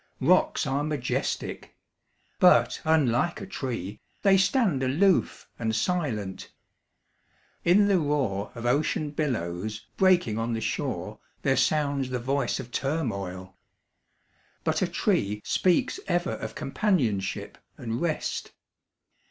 Rocks are majestic; but, unlike a tree, They stand aloof, and silent. In the roar Of ocean billows breaking on the shore There sounds the voice of turmoil. But a tree Speaks ever of companionship and rest.